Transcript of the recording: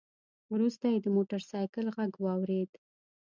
وروسته يې د موټر سايکل غږ واورېد.